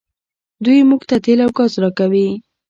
دوی موږ ته تیل او ګاز راکوي.